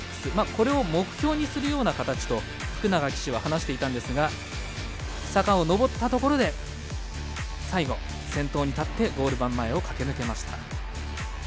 これを目標にするような形と福永騎手は話していたんですが坂を上ったところで最後、先頭に立ってゴール板前を駆け抜けました。